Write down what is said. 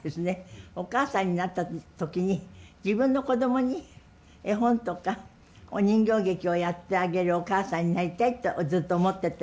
お母さんになった時に自分のこどもに絵本とかお人形劇をやってあげるお母さんになりたいとずっと思ってて。